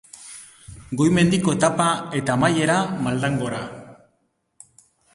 Goi-mendiko etapa eta amaiera maldan gora.